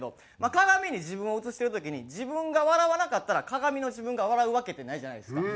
鏡に自分を映してる時に自分が笑わなかったら鏡の自分が笑うわけってないじゃないですか。